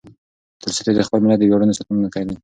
تولستوی د خپل ملت د ویاړونو ساتونکی و.